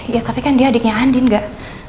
ya tapi kan dia adiknya andin gak